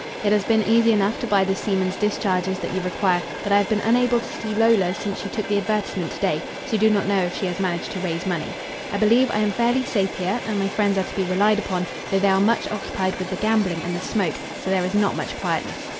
It has been easy enough to buy the seamen's discharges that you require, but I have been unable to see Lola since she took the advertisement to day, so do not know if she has managed to raise money. I believe I am fairly safe here, and my friends are to be relied upon, though they are much occupied with the gambling and the smoke, so there is not much quietness.